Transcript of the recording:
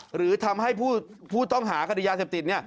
หรือทำให้ผู้ต้องหาคดียาเสพติด